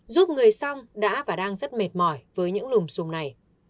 giúp người xong đã và đang rất mệt mỏi với những điều này